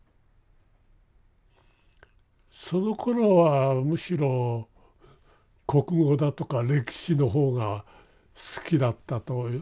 そのころはむしろ国語だとか歴史の方が好きだったと思います。